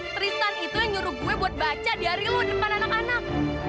tristan itu yang nyuruh gue buat baca di hari lu depan anak anak